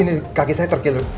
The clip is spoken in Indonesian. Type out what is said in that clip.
ini kaki saya terkil